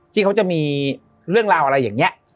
ที่เขาจะมีเรื่องราวอะไรอย่างนี้